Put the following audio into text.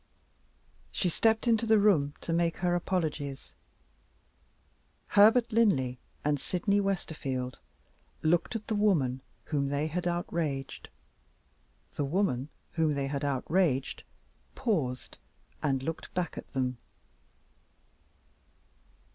She stepped into the room to make her apologies. Herbert Linley and Sydney Westerfield looked at the woman whom they had outraged. The woman whom they had outraged paused, and looked back at them.